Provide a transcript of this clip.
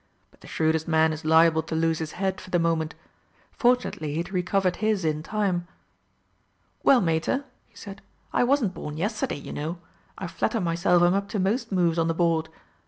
But the shrewdest man is liable to lose his head for the moment. Fortunately he had recovered his in time. "Well, Mater," he said, "I wasn't born yesterday, you know. I flatter myself I'm up to most moves on the board.